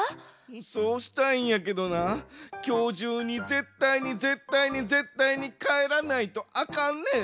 そうしたいんやけどなきょうじゅうにぜったいにぜったいにぜったいにかえらないとあかんねん。